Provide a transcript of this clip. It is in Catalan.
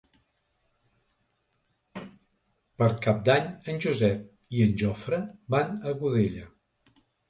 Per Cap d'Any en Josep i en Jofre van a Godella.